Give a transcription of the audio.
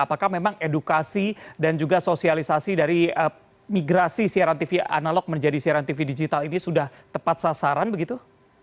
apakah memang edukasi dan juga sosialisasi dari migrasi siaran tv analog menjadi siaran tv digital ini sudah tepat sasaran begitu